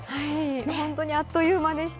本当にあっという間でした。